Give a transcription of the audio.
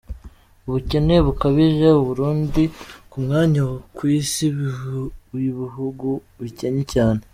Ubukene bukabije, u Burundi ku mwanya wa ku isi w’ibihugu bikennye cyane.